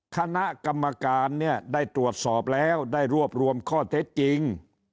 คณะกรรมการเนี่ยได้ตรวจสอบแล้วได้รวบรวมข้อเท็จจริง